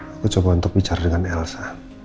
aku coba untuk bicara dengan elsa